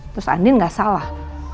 terus andin gak salah